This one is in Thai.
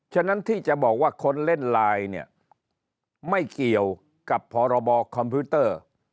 ฉะนั้นที่จะบอกว่าคนเล่นไลน์เนี่ยไม่เกี่ยวกับพรบคอมพิวเตอร์